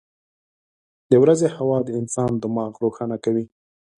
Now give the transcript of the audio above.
• د ورځې هوا د انسان دماغ روښانه کوي.